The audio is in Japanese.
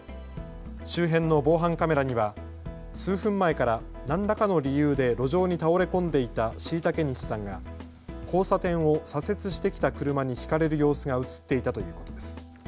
周辺の防犯カメラには数分前から何らかの理由で路上に倒れ込んでいた後嵩西さんが交差点を左折してきた車にひかれる様子が写っていたということです。